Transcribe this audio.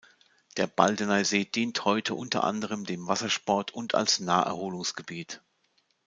Der Baldeneysee dient heute unter anderem dem Wassersport und als Naherholungsgebiet.